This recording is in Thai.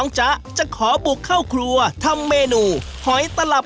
น้ำตาลทรายน้ำพริกผัว